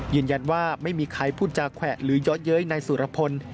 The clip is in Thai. ยืนยันว่าไม่มีใครพูดจาแขวะหรือเยอะเย้ยนายสุรพล